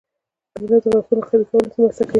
کېله د غاښونو قوي کولو کې مرسته کوي.